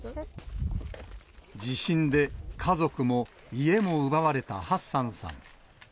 地震で家族も家も奪われたハッサンさん。